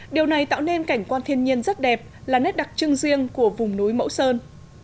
điều này tạo nên cảnh quan thiên nhiên rất đẹp là nét đặc trưng riêng của vùng núi mẫu sơn